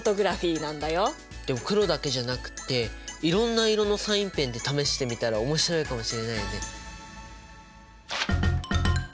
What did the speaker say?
でも黒だけじゃなくっていろんな色のサインペンで試してみたら面白いかもしれないよね。